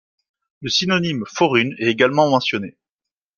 Le synonyme forune est également mentionné.